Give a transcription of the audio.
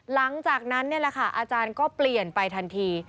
หลังจากนั้นนี่แหละค่ะอาจารย์ก็เปลี่ยนไปทันที